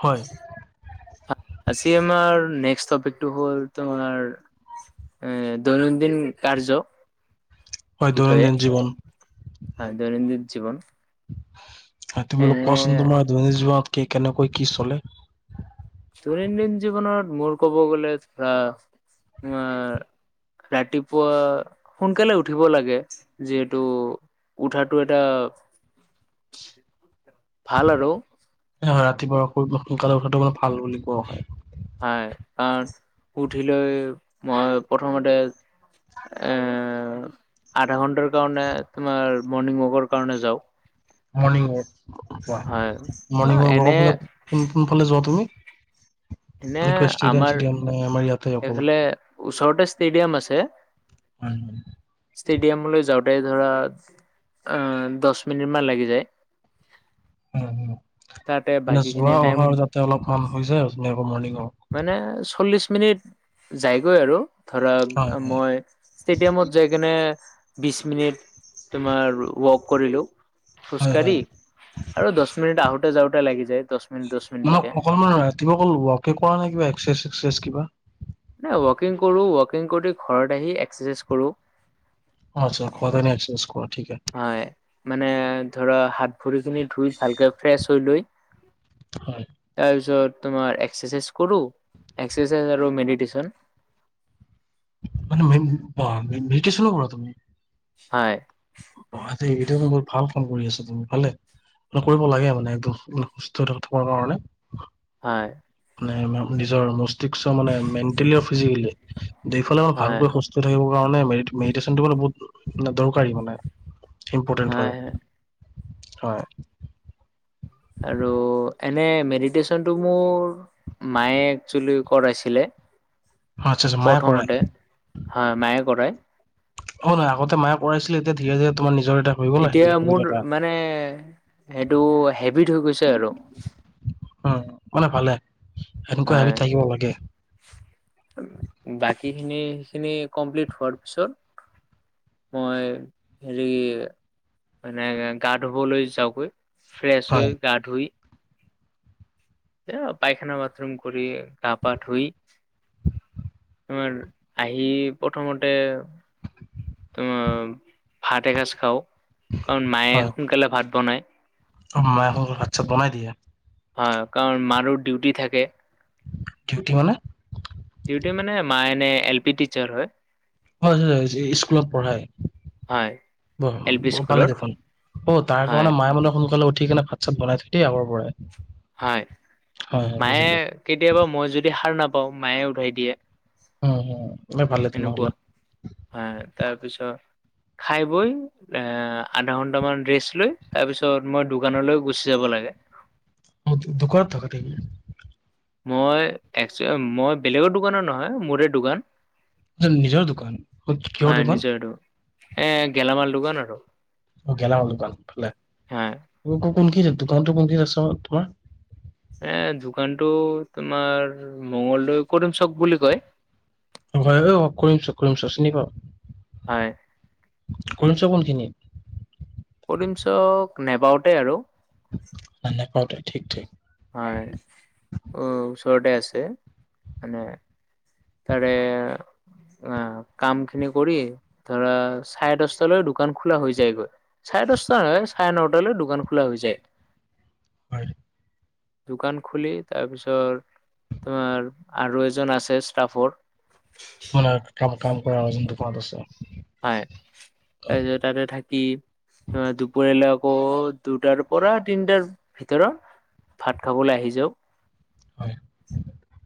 হয়। আজি আমাৰ নেক্স টপিকটো হ'ল তোমাৰ এ দৈনন্দিন কাৰ্য। হয় বিষয়ে। দৈনন্দিন জীৱন হয় দৈনন্দিন জীৱন। তুমি বাৰু এনে কোৱা চোন তোমাৰ দৈনন্দিক জীৱনত কি কেনেকৈ কি চলে? দৈনন্দিন জীৱনত মোৰ ক'ব গ'লে ধৰা আমাৰ ৰাতিপুৱা সোনকালে উঠিব লাগে যিহেতু উঠাটো এটা ভাল আৰু। হয়-হয়, ৰাতিপুৱা সোনকালে উঠাটো অলপ ভাল বুলি কোৱা হয়। হয়। কাৰণ উঠি লৈ মই প্ৰথমতে এ আধা ঘণ্টাৰ কাৰণে তোমাৰ মৰ্ণিং ৱাকৰ কাৰণে যাওঁ। মৰ্ণিং ৱাক কৰা। হয় মৰ্ণিং ৱাকৰ এনে ফালে কোন কোনফালে যোৱা তুমি? এনে এনেকুৱা আমাৰ ষ্টেডিয়াম-চেষ্টেডিয়াম নাই আমাৰ ইয়াতে অকল। এইফালে ওচৰতে ষ্টেডিয়াম আছে। উম। ষ্টেডিয়ামলৈ যাওঁতে ধৰা আহ দহ মিনিট মান লাগি যায়। উম-উম! তাতে মানে বাকী খিনি যোৱা টাইম অহাৰ যাতে অলপমান হৈ যায় আৰু মৰ্ণিংও ৱাক। মানে চল্লিশ মিনিট যায়গৈ আৰু ধৰাক হয় হয় মই ষ্টেডিয়ামত যাই কেনে বিছ মিনিট তোমাৰ ৱক কৰিলোঁ। হয় খোজকাঢ়ি হয় আৰু দহ মিনিট আহোতে যাওঁতে, লাগি যায় দহ মিনিট, দহ মিনিটকে। নহয় তুমি অকল ওৱৰ্কে কৰা নে, কিবা এক্ৰচাইজ- চাক্ৰচাইজ কিবা? এ, ওৱাকিং কৰো, ওৱাকিং কৰি ঘৰত আহি এক্সাৰচাইজ কৰো। অ, [inaudible] কৰা এক্ৰচাইজ কৰা ঠিকে হে হয়, মানে ধৰা হাত ভৰিখিনি ধুই ভালকে ফ্ৰেছ হৈ লৈ। হয়। তাৰপিছত তোমাৰ এক্সাৰচাইজ কৰো, এক্সাৰচাইজ আৰু মেডিটেশ্যন। [inaudible] কৰা‌ তুমি। হয়। অ, এইটো নম্বত ভাল ফোন কৰি আছে তুমি পালে। কৰিব লাগে মানে, একদমে সুস্থ হৈ থকাৰ কাৰণে। হয়। মানে নিজৰ ৰেষ্ট্ৰিকচন মানে মেণ্টেলি আৰু ফ্ৰিজিকেলি, দুই ফালে মানে হয় ভালকৈ সত থাকিব কাৰণে মেৰিড-মেডিটেশ্যন বহুত দৰকাৰী মানে। ইম্পৰ্টেণ্ট হয়, হয়। আৰু এনে মেডিটেশ্যনটো মোৰ। মায়ে, একচোয়েলি কৰাইছিলে। আচ্ছা আচ্ছা মায়ে কৰাই প্ৰথমতে হা, মায়ে কৰায়। হয়, আগতে মায়ে কৰাইছিলে, এতিয়া তোমাৰ ধিৰে-ধিৰে তোমাৰ নিজৰ এটা হৈ গ'ল এতিয়া হেবিট মোৰ এটা মানে, সেইটো হেবিট হৈ গৈছে আৰু। উম, মানে ভালে, এনেকুৱা হয় হোবিট থাকিব লাগে। বাকী খিনি-খিনি কমপ্লিট হোৱাৰ পিছত। মই হেৰি এনে গা, ধুবলৈ যাওগৈ। ফ্ৰেছ হয় হৈ, গা ধুই। এয়া, পাইখানা বাথৰুম কৰি গা, পা ধুই তোমাৰ আহি, প্ৰথমতে তোমাৰ ভাত এসাজ খাওঁ, কাৰণ মায়ে সোনকালে ভাত বনায়। অ, মাই সোনকালে ভাত-চাত বনাই দিয়া। হয়, কাৰণ মাৰো, ডিউটি থাকে। ডিউটি মানে? ডিউটি মানে, মায়ে এনে এল, পি, টিচাৰ হয়। হয়, হয়, হেই ইস্কুলত পঢ়ায়? হয় এল পি ব-বৰ, ভালে স্কুলৰ দেখোন অ, তাৰ হয় কাৰণে মায়ে মান সোনকালে উঠি কেনে ভাত চব, বনাই থৈয় দিয়ে আগৰ পৰাই। হয় হয় হয় মায়ে, বুজিলো। কেতিয়াবা মই যদি সাৰ নাপাওঁ মায়ে উঠাই দিয়ে। উম, এনে ভালে টো নহ'লে। হা, তাৰপিছত খাই বৈ এ, আধা ঘন্টামান ৰেচ লৈ, তাৰ পিছত মই দোকানলৈ গুচি যাব লাগে। দোকানত থকা তুমি? মই এষ্কে মই, বেলেগৰ দোকানৰ নহয়, মোৰেই দোকান। নিজৰ দোকান, এই কিহৰ দোকান? এই, গেলামাল দোকান আৰু। অ, গেলামৰ দোকান ভালে। হয় অ, কোন-কোন দি, দোকানটো কোনখিনিত আছে তোমাৰ? এ, দোকানটো তোমাৰ মঙলদৈ কৈৰণ, চক বুলি কয়। হয় অ, কৰিমচো, কৰিম‌চো, চিনি‌ পাওঁ। হয়। কলেজৰ কোনখিনিত [inaudible] নেপাওতে আৰু। আ, নেপাওঁতে ঠিক ঠিক। হয়, অ' ওচৰতে আছে মানে তাৰে অ' কাম খিনি কৰিয়ে, ধৰা চাৰে দশটালৈ দোকান খোলা হৈ যায়গৈ। চাৰে দশটা নহয়, চাৰে নটালৈ দোকান খোলা হৈ যায়। হয়। দোকান খুলি তাৰপিছত তোমাৰ আৰু এজন আছে ষ্টাফৰ আৰু কাম-কাম কৰা, দোকানত আছে। হয়, হয় তাৰপিছত তাতে থাকি দুপৰিয়ালে আকৌ দুটাৰ পৰা তিনিটাৰ ভিতৰত ভাত খাবলৈ আহি যাওঁ। হয়।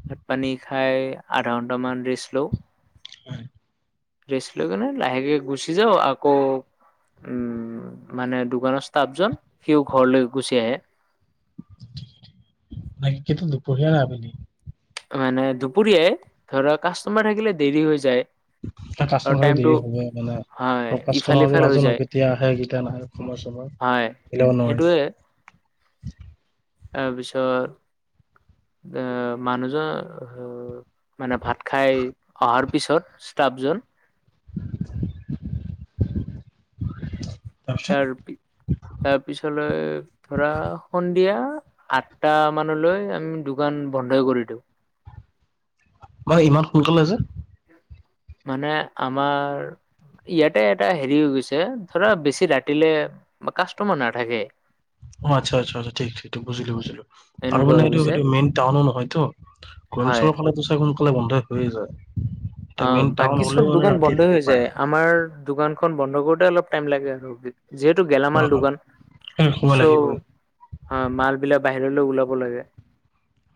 ভাত পানী খাই আধা ঘণ্টামান ৰেষ্ট লওঁ। হয়। ৰেষ্ট লৈ কিনে, লাহেকে গুচি যাওঁ আকৌ উম, মানে দোকানৰ ষ্টাফজন সিও ঘৰলৈ গুচি আহে। নাই সেইটো দুপৰিয়া আবেলি মানে দুপুৰীয়াই ধৰা, কাষ্টমাৰ থাকিলে দেৰি হৈ যায়। আৰু কাষ্টমাৰ টাইমটো দেৰি হ'বই মানে হয় ইফাল কাষ্টমাবোৰ সিফাল হৈ নাজানো যায় কেতিয়া আহে কেতিয়া নাহে, সময়-চময় হয়, সেইটোৱে। তাৰপিছত এ মানুহজন মানে ভাত খাই অহাৰ পিছত ষ্টাফজন [unintelligible] ইয়াৰ পি, তাৰ পিছলৈ ধৰা সন্ধিয়া আঠটা মানলৈ আমি দোকান বন্ধই কৰি দিওঁ। হয়, ইমান সোনকালে যে। মানে আমাৰ ইয়াতে এটা হেৰি হৈ গৈছে ধৰা বেছি ৰাতিলে বা কাষ্টমাৰ নাথাকে। অ' আচ্ছা, আচ্ছা, আচ্ছা। ঠিক, ঠিক বুজিলো, বুজিলো আৰু এনেকুৱা মানে হৈ এইটো, গৈছে এইটো মেইন টাউন নহয়টো। হয় গণেশৰ ফালে তো চাগে সোনকালে বন্ধে হৈয়ে যায়। এতিয়া মেইন অ' টাউন বাকী হ'লেও চব মানে দোকান ৰাতি বন্ধ থাকে হৈ পাৰে যায়। আমাৰ দোকানখন বন্ধ কৰোতে অলপ টাইম লাগে আৰু। যিহেতু অ গেলামাল অ দোকান, সেই সময় চ' লাগিবই অ' মাল বিলাক বাহিৰলৈ ওলাব লাগে।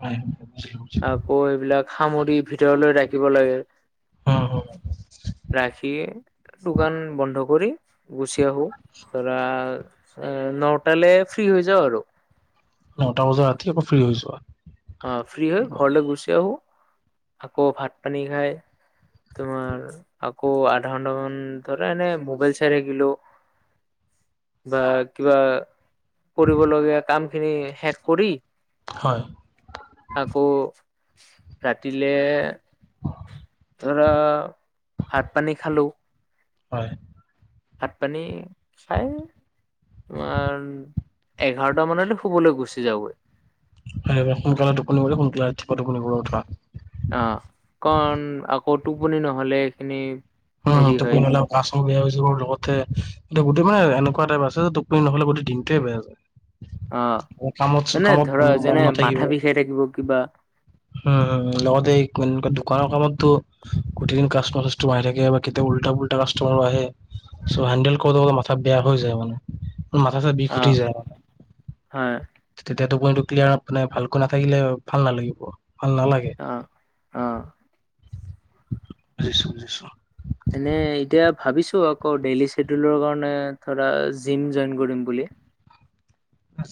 হয়, বুজিলোঁ, বুজিলোঁ। আকৌ এইবিলাক সামৰি ভিতৰলৈ ৰাখিব লাগে। অ' হ'ব। ৰাখি দোকান বন্ধ কৰি গুচি আহো। ধৰা, এ নটালে ফ্ৰী হৈ যাওঁ আৰু। নটা বজাত ৰাতি আকৌ, ফ্ৰী হৈ যোৱা। অ', ফ্ৰী হৈ ঘৰলৈ গুচি আহো, আকৌ ভাত-পানী খাই তোমাৰ আকৌ, আধা ঘণ্টা মান ধৰা এনে, মোবাইল চায় থাকিলো। বা কিবা, কৰিব লগীয়া কাম খিনি, শেষ কৰি হয়। আকৌ ৰাতিলে ধৰা, ভাত-পানী খালোঁ। হয়। ভাত-পানী খাই তোমাৰ, এঘাৰটা মানলৈ শুবলৈ গুচি যাওগৈ। হয়, সোনকালে টোপনি মাৰি, সোনকালে ৰাতিপুৱা টোপনিৰ পৰা উঠা। অ', কাৰণ আকৌ টোপনি নহ'লে এইখিনি অ', হেৰি টোপনি হয় নহ'লে কাছো বেয়া হৈ যাব, লগতে এতিয়া গোটেই মানে, এনেকুৱা টাইপ আছে যে টোপনি নহ'লে গোটেই দিনটোৱে বেয়া যায়। অ এই‌ কামত, ছো মানে কামত ধৰা মন, মন যেনে নাথাকিব। মাথা বিষাই থাকিব কিবা উম, উম, লগতে এই কিনকে দোকানৰ কামতো, প্ৰতিদিন কাষ্টমাৰ-ছাষ্টমাৰ আহি থাকে। কেতিয়াবা, কেতিয়াবা, উল্টা-পোল্টা কাষ্টমাৰো আহে, চ' হেণ্ডেল কৰোঁতে, কৰোঁতে মাথা বেয়া হৈ যায় মানে। মাথা-চাথা বিষ অ উঠি যায়‌ মানে। হয় তেতিয়া‌, টোপনিটো ক্লিয়াৰ মানে, ভালকৈ নাথাকিলে ভাল নালাগিব, ভাল নালাগে। অ অ বুজিছোঁ, বুজিছোঁ। এনেই, এতিয়া ভাবিছোঁ আকৌ, ডেইলি চিদুলৰ কাৰণে, ধৰা জিম জইন কৰিম বুলি।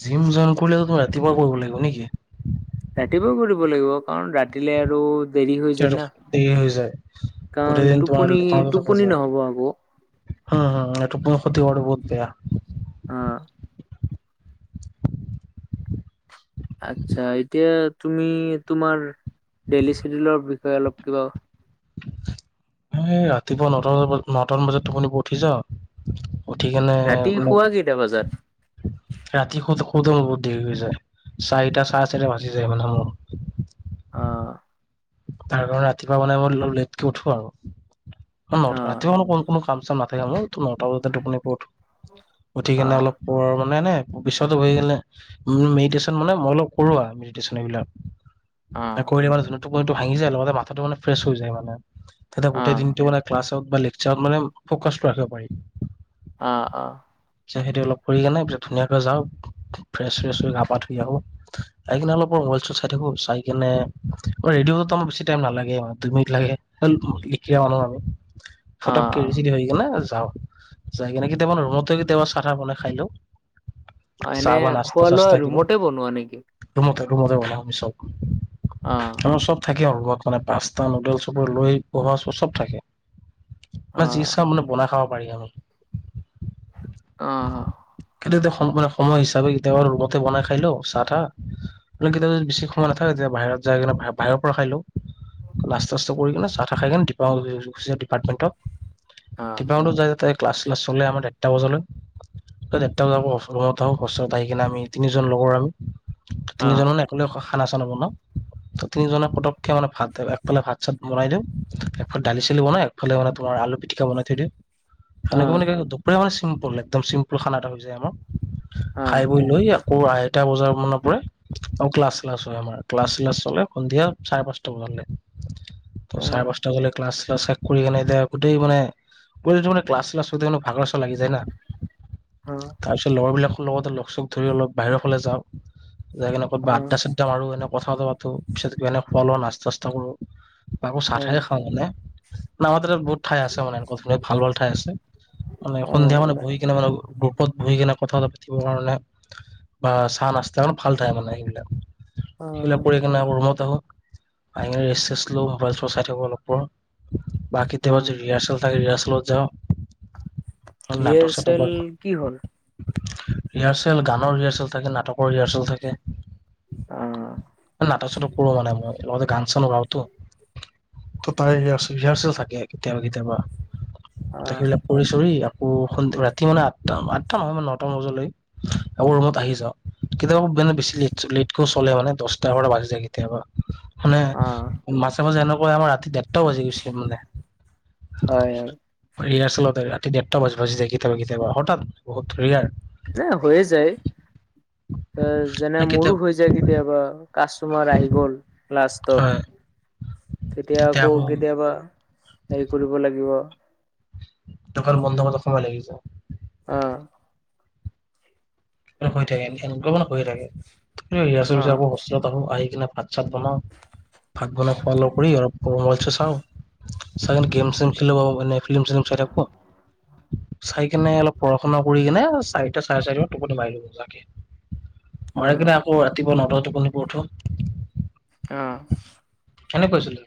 জিম জইন কৰিলেটো ৰাতিপুৱা কৰিব লাগিব নে‌ কি? ৰাতিপুৱা কৰিব লাগিব, কাৰণ, ৰাতিলে আৰু দেৰি হৈ যায় তেতিয়াতো না, দেৰি হৈ যায়। গোটেই কাৰণ দিন তোমাৰ টোপনি, টোপনি নহ'ব আকৌ। অ', অ', এই টোপনি ক্ষতি কৰাটো বহুত বেয়া। অ'। আচ্ছা, এতিয়া তুমি, তোমাৰ ডেইলি ছিডুলৰ, বিষয়ে অলপ কিবা এ, ৰাতিপুৱা নটা বজামান, নটামান বজাত, টোপনিৰ পৰা‌ উঠি যাওঁ। উঠি কেনে ৰাতি শুৱা কেইটা বজাত? ৰাতি শুওতে‌, শুওতে মোৰ বহুত দেৰি হৈ যায়, চাৰিটা, চাৰে চাৰিটা বাজি যায়, মানে মোৰ। অ'। তাৰ কাৰণে, ৰাতিপুৱা মানে মই অলপ লেটকে উঠো আৰু, অ নওটা ৰাতিপুৱা মানে কোন কোনো কাম-চাম নাথাকে মোৰ, ট' নওটা বজাতে টোপনিৰ পৰা উঠো, অ উঠি‌কিনে অলপ পোহৰ মানে এনেই, বিচনাতে বহি কিনে উম, মেডিটেশ্যন মানে মই অলপ কৰো আৰু, মেডিটেশ্যন এইবিলাক। অ কৰিলে মানে টোপনিটো ভাঙি যায়, লগতে মাথাটো মানে ফ্ৰেছ হৈ যায়, মানে তেতিয়া অ গোটেই দিনটো মানে ক্লাছত বা লেকচাৰত মানে ফকাচটো ৰাখিব পাৰি। অ', অ'। সেইটোয়ে মানে অলপ কৰি কিনে, পিছত ধুনীয়াকে যাওঁ, ফ্ৰেছ, -ছ্ৰেছ হৈ গা-পা ধুই আহোঁ। আহি কিনে, অলপ মোবাইল-চোবাইল চাই থাকো, চাই কিনে ৰেডি হওঁতে, আমাৰ বেছি টাইম নালাগে‌ মানে, দুই মিনিট লাগে, এ লিকিৰা মানুহ আৰু। ফতকে, ৰেডী-চেডী হৈ কিনে যাওঁ। যাই কিনে, কেতিয়াবা মানে ৰুমতে কেতিয়াবা, চাহ‌-টাহ বনাই খাই লওঁ। অ', চাহ এনে বা নাস্তা চাস্তা খোৱা-লোৱা কিবা ৰুমতে বনোৱা নেকি? ৰুমতে, ৰুমতে বনাও নিশ্চয়। অ আমাৰ চব থাকে ৰুমত মানে পাস্তা নুডেল চোডেল লৈ পহোৱা চাহোৱা চব থাকে। অ মানে যি ইচ্ছা মানে বনাই খাব পাৰি আৰু। অ কিন্তু এতিয়া সময় সময় হিচাপে কেতিয়াবা ৰুমতে বনাই খাই লও চাহ তাহ কিন্তু কেতিয়াবা যদি বেছি সময় নাথাকে তেতিয়া বাহিৰত যাই কিনে বাহিৰৰ বাহিৰৰ পৰা খাই লও নাষ্টা‌ চাষ্টা কৰি কিনে চা তা খাই যাও ডিপাৰ গুচি যাও ডিপাৰ্টমেণ্টত অ ডিপাৰ্টমেণ্টত যায় যাতে ক্লাছ চালাছ চলে আমাৰ দেৰটা বজালৈ ত ডেৰটা বজাত মই অ ৰুমত আহো ঘৰ চৰত আহি কিনে আমি তিনিজন লগৰ আমি অ তিনিজন মানে একেলগে খ খানা চানা বনাও।। তিনিজনে পতককে মানে ভাত দালি একফালে ভাত চাত বনাই দিও একফালে দালি চালি বনাই খালি মানে তোমাৰ আলু পিটিকা বনাই থৈ দিও। অ সেনেকে মানে কি দুপৰীয়া মানে চিম্পুল একদম চিম্পুল খানা এটা হৈ যায় আমাৰ। অ' খাই বই লৈ আ আকৌ আঢ়ৈটা বজাৰ মানৰ পৰাই আৰু ক্লাছ চালাছ হয় আমাৰ ক্লাছ চ্লাছ চলে। সন্ধিয়া চাৰে পাঁচটা বজালে ত চাৰে হয় পাঁচটালে ক্লাছ চালাছ কৰি কেনে এতিয়া গোটেই মানে তোমাৰ যিটো ক্লাছ চ্লাছ কৰোতে মানে ভাগৰ চাগৰ লাগি যায় না তাৰপিছত লগৰবিলাকৰ লগতে লগ চখ ধৰি অলপ বাহিৰৰ ফালে যাও যাই কেনে ক'ব অ বা আড্ডা চাদ্ডা মাৰো এনে কথা পাতো পিছতকে এনে ফল নাস্তা চাস্তা কৰো বাপু চাহটোহে খাও মানে মানে মই আগতেতো বহুত ঠাই আছে মানে এনেকোৱা ভাল ভাল ঠাই আছে। মানে সন্ধিয়া মানে বহি কিনে মানে গ্ৰোপত বহি কিনে কথা বতৰা পাতিবৰ কাৰণে বা চাহ নাস্তা কাৰণে ভাল ঠায় মানে সেইবিলাক। সেইবিলাক কৰি কিনে ৰুমত আহো আহি ৰেচ চেছ লৈ মোবাইল চোবাইল চাই থাকো অলপ পঢ়ো বাকী অ দেওবাৰ যদি ৰিহাৰ্চেল থাকে ৰিহাৰ্চেলত যাও। অকল নাটক চাটক ৰিহাৰ্চেল বা কি হ'ল ৰিহাৰ্চেল গানৰ ৰিহাৰ্চেল থাকে নাটকৰ ৰিহাৰ্চেল থাকে। অ নাটক চাটক কৰো মানে মই লগতে গান চানো গাঁওতো ত তাৰে ৰিয়াৰ্চল থাকে কেতিয়াবা কেতিয়াবা অ তে সেইবিলাক কৰি চৰি আকৌ ৰাতি মানে আঠটা আঠটা নহয় মানে নটামান বজালৈ আকৌ ৰুমত আহি যাও কেতিয়াবা মানে বেছি লেট লেটকেও চলে মানে দহ তাৰ পৰা বাচি যায় কেতিয়াবা মানে অ মাজে মাজে এনেকোৱা আমাৰ ৰাতি [unintelligible] মানে তা হয় হয় ৰিয়াৰ্চেল ৰাতি দেৰটা বাজি যায় কেতিয়াবা কেতিয়াবা হঠাৎ বহুত ৰিয়াৰ নৈ হৈয়ে যায় এ যেনে কেতিয়া মোৰো হৈ যায় কেতিয়াবা কাচটমাৰ আঢ্যনহি গ'ল লাষ্টত হয় তেতিয়া আকৌ কেতিয়াবা হেৰি কৰিব লাগিব দোকান বন্ধ সকলো আহি যায় অ হৈ থাকে এনেকোৱা মানে হৈয়ে থাকে ৰিহাচেল পিছত আকৌ হ আহো আহি কিনে ভাত চাত বনাও ভাত বনাই খোৱা লোৱা কৰি অলপ মোবাইল চাও চাগে অ গেম চেম খেলো বাও মানে ফিলি্ম চিলিম চাই থাকো চাই কিনে অলপ পঢ়া শুনা কৰি কিনে চাৰিটা চাৰে চাৰিটাত টোপনি মাৰিলে মাৰি কিনে আকৌ ৰাতিপুৱা নটাত টোপনি ‌পৰা উঠো অ কেনে কৈছিলো।